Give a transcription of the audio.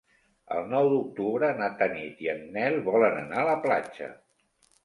El nou d'octubre na Tanit i en Nel volen anar a la platja.